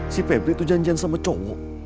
si febri tuh janjian sama cowok